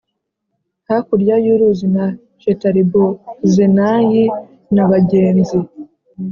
hakurya y’ uruzi na Shetaribozenayi na bagenzi